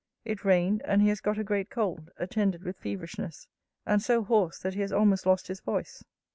It rained; and he has got a great cold, attended with feverishness, and so hoarse, that he has almost lost his voice.'